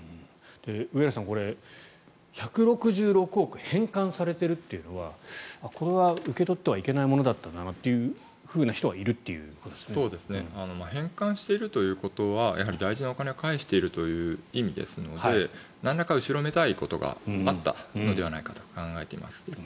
上原さん、１６６億円返還されているというのはこれは受け取ってはいけないものだったんだなというふうな人は返還しているということは大事なお金を返しているという意味ですのでなんらか後ろめたいことがあったのではないかと考えています。